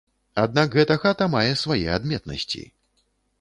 Аднак гэта хата мае свае адметнасці.